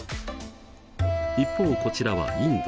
一方こちらはインド。